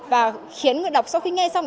và khiến người đọc sau khi nghe xong